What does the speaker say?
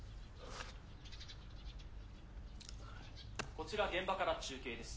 「こちら現場から中継です。